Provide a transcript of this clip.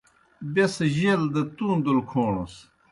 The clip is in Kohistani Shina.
بیْس جیل دہ تُوندل کھوݨَس۔